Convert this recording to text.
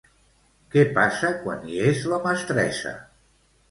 Què passa quan hi és la mestressa?